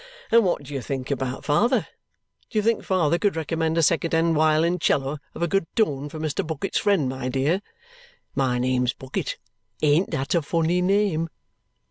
And what do you think about father? Do you think father could recommend a second hand wiolinceller of a good tone for Mr. Bucket's friend, my dear? My name's Bucket. Ain't that a funny name?"